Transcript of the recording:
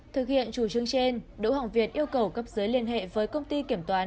thực hiện chủ trương trên đỗ hồng việt yêu cầu cấp giới liên hệ với công ty kiểm toán